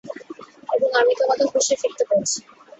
এবং আমি তোমাকে হুশে ফিরতে বলছি।